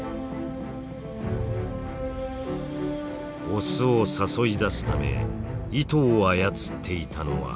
オスを誘い出すため糸を操っていたのはメス。